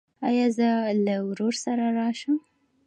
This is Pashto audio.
ایا زه له ورور سره راشم؟